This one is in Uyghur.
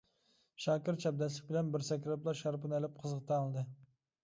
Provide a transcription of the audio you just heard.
شاكىر چەبدەسلىك بىلەن بىر سەكرەپلا شارپىنى ئېلىپ، قىزغا تەڭلىدى.